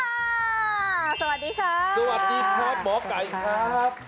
สวัสดีค่ะสวัสดีครับหมอไก่ครับ